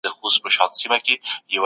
ولي له ملګرو سره خبري ذهن سپکوي؟